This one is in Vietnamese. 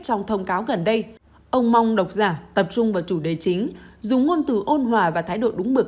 trong thông cáo gần đây ông mong đọc giả tập trung vào chủ đề chính dùng ngôn từ ôn hòa và thái độ đúng mực